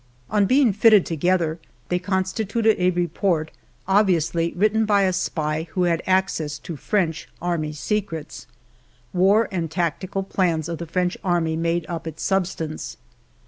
On being fitted together, they constituted a report obviously written by a spy who had access X EDITOR'S PREFACE to French army secrets. War and tactical plans of the French army made up its substance.